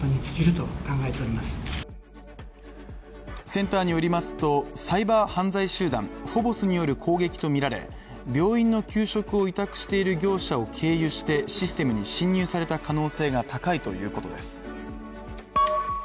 センターによりますとサイバー犯罪集団フォボスによる攻撃とみられ病院の給食を委託している業者を経由してシステムに侵入された可能性が高いということです。